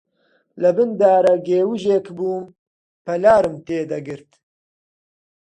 لەبن دارەگێوژێک بووم، پلارم تێ دەگرت